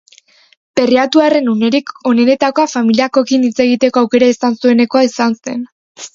Berriatuarraren unerik onenetakoa familiakoekin hitz egiteko aukera izan zuenekoa izan zen.